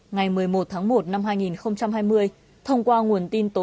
ngày một mươi một tháng một năm hai nghìn hai mươi thông qua nguồn tin tổng thống